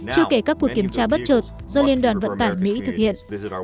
chưa kể các cuộc kiểm tra bất chợt do liên đoàn vận tải mỹ thực hiện